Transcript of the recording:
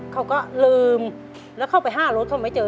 เขาก็ลืมแล้วเข้าไป๕รถเขาไม่เจอ